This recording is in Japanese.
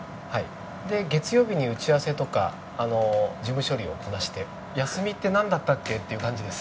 で月曜日に打ち合わせとか事務処理をこなして休みってなんだったっけ？っていう感じです。